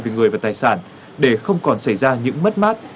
về người và tài sản để không còn xảy ra những mất mát hy sinh trong các vụ hỏa hoạn